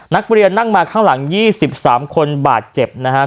นักเรียนนั่งมาข้างหลังยี่สิบสามคนบาดเจ็บนะฮะ